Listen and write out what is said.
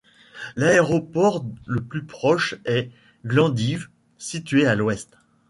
L'aéroport le plus proche est Glendive, situé à l'ouest.